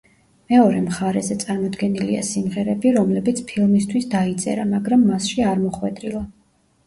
მეორე მხარეზე წარმოდგენილია სიმღერები, რომლებიც ფილმისთვის დაიწერა, მაგრამ მასში არ მოხვედრილა.